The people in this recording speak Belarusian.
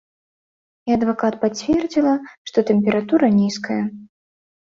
І адвакат пацвердзіла, што тэмпература нізкая.